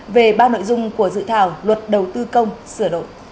về ba nội dung của dự thảo luật đầu tư công sửa đổi